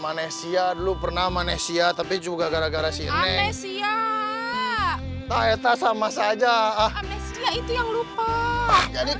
manesia dulu pernah manesia tapi juga gara gara si nesya tahe tah sama saja ah itu yang lupa jadi